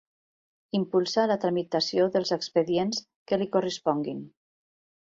Impulsar la tramitació dels expedients que li corresponguin.